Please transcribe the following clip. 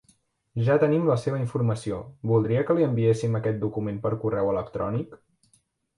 Ja tenim la seva informació, voldria que li enviéssim aquest document per correu electrònic?